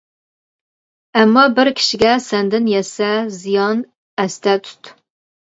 ئەمما بىر كىشىگە سەندىن يەتسە زىيان ئەستە تۇت.